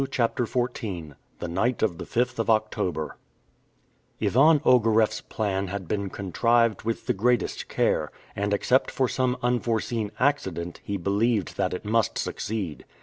CHAPTER XIV THE NIGHT OF THE FIFTH OF OCTOBER IVAN OGAREFF'S plan had been contrived with the greatest care, and except for some unforeseen accident he believed that it must succeed.